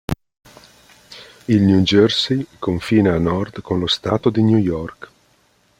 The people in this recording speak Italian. Il New Jersey confina a nord con lo Stato di New York.